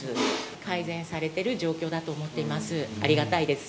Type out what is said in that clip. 改善されてる状況だと思っています。